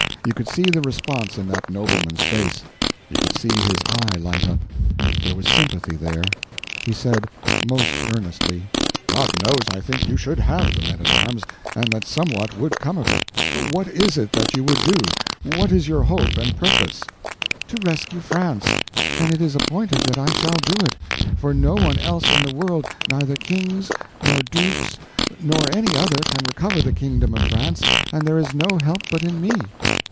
You could see the response in that nobleman's face; you could see his eye light up; there was sympathy there. He said, most earnestly: "God knows I think you should have the men at arms, and that somewhat would come of it. What is it that you would do? What is your hope and purpose?" "To rescue France. And it is appointed that I shall do it. For no one else in the world, neither kings, nor dukes, no any other, can recover the kingdom of France, and there is no help but in me."